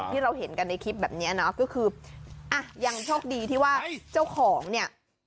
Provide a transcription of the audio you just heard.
ที่เราเห็นกันในคลิปแบบนี้เนอะก็คืออ่ะยังโชคดีที่ว่าเจ้าของเนี่ย